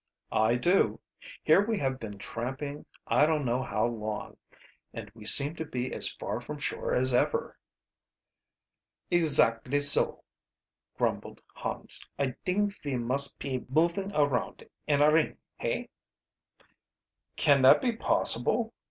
"I do. Here we have been tramping I don't know how long, and we seem to be as far from shore as ever." "Exactly so," grumbled Hans. "I dink ve must pe moving around in a ring, hey?" "Can that be possible?"